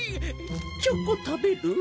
チョコ食べる？